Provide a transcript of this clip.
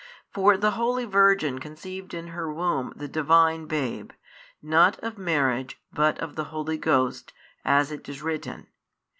For the holy Virgin conceived in her womb the Divine Babe, not of marriage but of the Holy Ghost, as it is written.